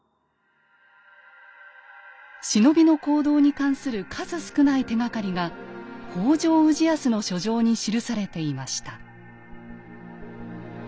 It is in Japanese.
忍びの行動に関する数少ない手がかりが北条氏康の書状に記されていました。